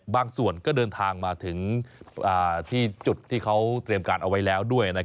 บางส่วนก็เดินทางมาถึงที่จุดที่เขาเตรียมการเอาไว้แล้วด้วย